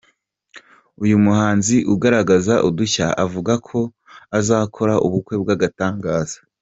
Uyu muhanzi ugaragaza udushya avuga ko azakora ubukwe bw’agatangaza.